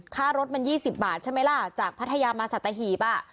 ค่ารถมัน๒๐บาทใช่ไหมล่ะจากพัทยามาสัตหีบอ่ะ